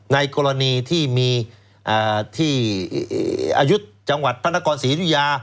ในกรณีที่มีที่อายุจังหวัดพระนครศรียุธยา